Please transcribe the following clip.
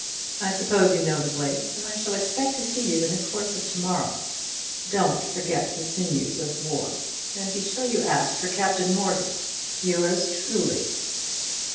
I suppose you know the place; and I shall expect to see you in the course of to morrow. Don't forget the sinews of war; and be sure you ask for Captain Morgan. Yours truly."